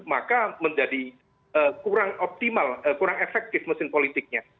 maka menjadi kurang optimal kurang efektif mesin politiknya